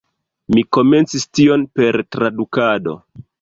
Mi komencis tion per tradukado.